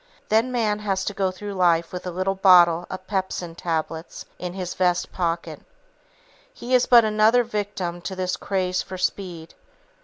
Then man has to go through life with a little bottle of pepsin tablets in his vest pocket. He is but another victim to this craze for speed.